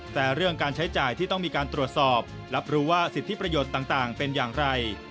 แต่เรื่องการใช้จ่ายที่ต้องมีการตรวจสอบรับรู้ว่าสิทธิประโยชน์ต่างเป็นอย่างไร